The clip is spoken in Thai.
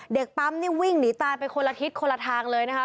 เด็กปั๊มนี่วิ่งหนีตายไปคนละทิศคนละทางเลยนะคะ